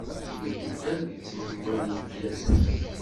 Timdukal ttemwallint yal ass.